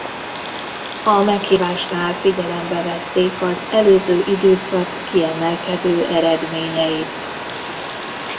A meghívásnál figyelembe vették az előző időszak kiemelkedő eredményeit.